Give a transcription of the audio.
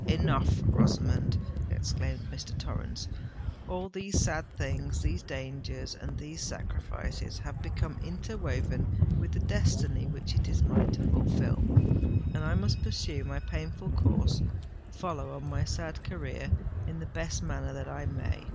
enough! Rosamond," exclaimed Mr. Torrens: "all these sad things—these dangers and these sacrifices—have become interwoven with the destiny which it is mine to fulfil; and I must pursue my painful course—follow on my sad career, in the best manner that I may.